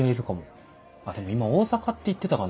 あでも今大阪って言ってたかな。